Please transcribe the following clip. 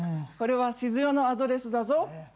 これは静代のアドレスだぞ。